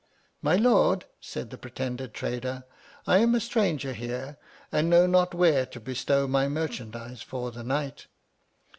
My Lord, said the pretended trader, I am a stranger here, and know not where to bestow my merchandise for the night.